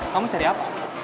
kamu cari apa